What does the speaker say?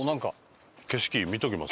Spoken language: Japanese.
景色見ときます？